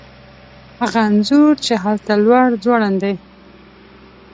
هغه انځور چې هلته لوړ ځوړند دی